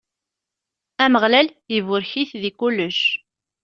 Ameɣlal iburek-it di kullec.